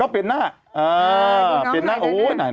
เออเปลี่ยนหน้าโอ้ยไหน